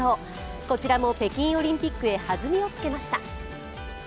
こちらも北京オリンピックへ弾みをつけました。